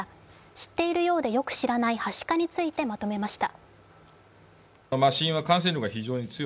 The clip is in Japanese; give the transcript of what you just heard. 知っているようでよく知らない、はしかについてまとめました。